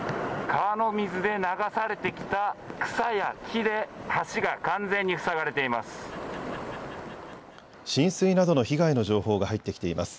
川の水で流されてきた草や木で橋が完全に塞がれています。